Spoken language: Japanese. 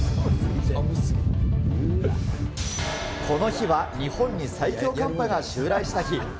この日は日本に最強寒波が襲来した日。